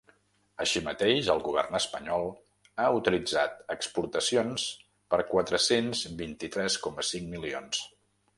Així mateix, el govern espanyol ha autoritzat exportacions per quatre-cents vint-i-tres coma cinc milions.